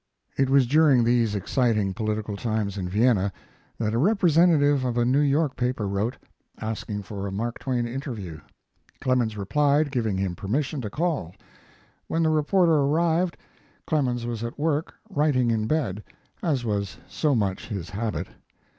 It was during these exciting political times in Vienna that a representative of a New York paper wrote, asking for a Mark Twain interview. Clemens replied, giving him permission to call. When the reporter arrived Clemens was at work writing in bed, as was so much his habit.